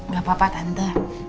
gak apa apa tante